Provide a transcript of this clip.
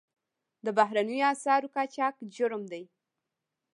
د بهرنیو اسعارو قاچاق جرم دی